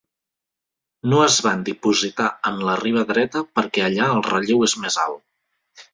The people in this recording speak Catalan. No es van dipositar en la riba dreta perquè allà el relleu és més alt.